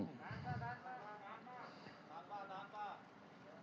tahan tahan tahan